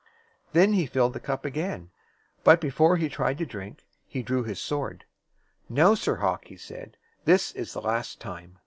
Then he filled the cup again. But before he tried to drink, he drew his sword. "Now, Sir Hawk," he said, "this is the last time."